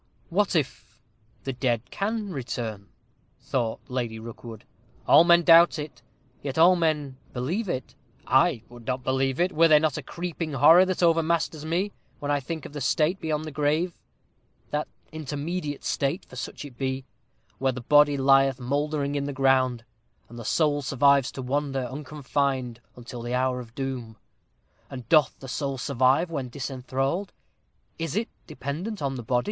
"What if the dead can return?" thought Lady Rookwood. "All men doubt it, yet all men believe it. I would not believe it, were there not a creeping horror that overmasters me, when I think of the state beyond the grave that intermediate state, for such it must be, when the body lieth mouldering in the ground, and the soul survives, to wander, unconfined, until the hour of doom. And doth the soul survive when disenthralled? Is it dependent on the body?